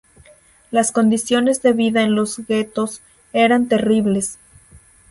Las condiciones de vida en los guetos eran terribles.